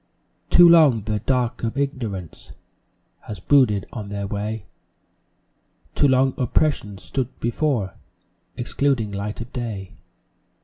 Too long the "Dark of Ignorance" Has brooded on their way; Too long Oppression 's stood before, Excluding light of day.